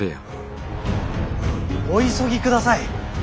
お急ぎください。